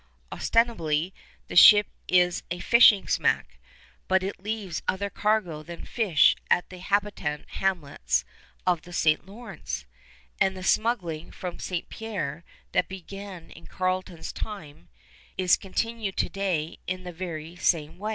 Ostensibly the ship is a fishing smack, but it leaves other cargo than fish at the habitant hamlets of the St. Lawrence; and the smuggling from St. Pierre that began in Carleton's time is continued to day in the very same way.